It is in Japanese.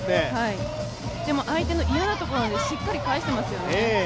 でも相手の嫌なところにしっかり返してますよね。